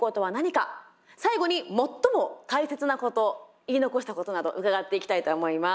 最後に最も大切なこと言い残したことなど伺っていきたいと思います。